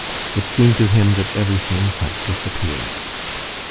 It seemed to him that everything had disappeared.